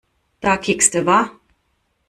Da kiekste wa?